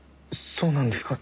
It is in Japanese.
そうなんですか？